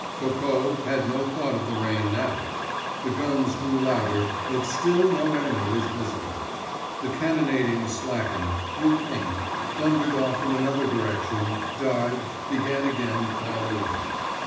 _" Coco had no thought of the rain now! The guns grew louder, but still no enemy was visible. The cannonading slackened, grew faint, thundered off in another direction, died, began again far away.